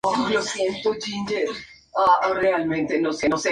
Los ciclistas, no obstante, no viajan siempre a la máxima velocidad.